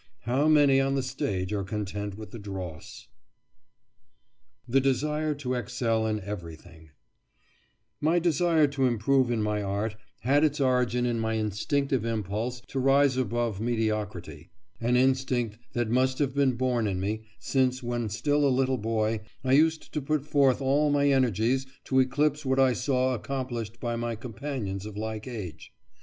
How many on the stage are content with the dross! THE DESIRE TO EXCEL IN EVERYTHING My desire to improve in my art had its origin in my instinctive impulse to rise above mediocrity an instinct that must have been born in me, since, when still a little boy, I used to put forth all my energies to eclipse what I saw accomplished by my companions of like age.